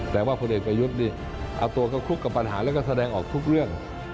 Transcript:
แต่ว่าพลเอกประยุทธ์นี่เอาตัวเข้าคลุกกับปัญหาแล้วก็แสดงออกทุกเรื่อง